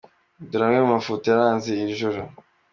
Dore amwe mu mafoto yaranze iri joro:.